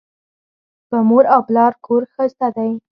په مور او پلار کور ښایسته دی